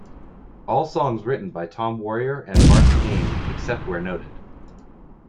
All songs written by Tom Warrior and Martin Ain, except where noted.